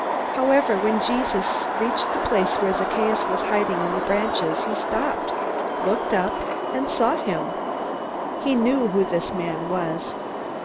However, when Jesus reached the place where Zacchaeus was hiding in the branches, he stopped, looked up, and saw him. He knew who this man was.